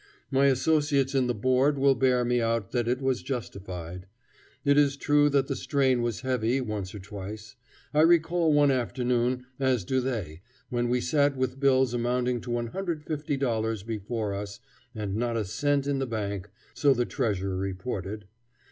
My associates in the Board will bear me out that it was justified. It is true that the strain was heavy once or twice. I recall one afternoon, as do they, when we sat with bills amounting to $150 before us and not a cent in the bank, so the treasurer reported.